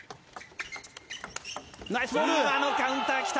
いいカウンターが来た！